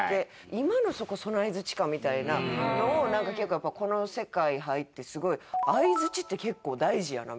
「今のそこその相づちか」みたいなのを結構やっぱこの世界入ってすごい「相づちって結構大事やな」みたいな。